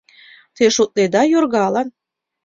Те шотледа йоргалан.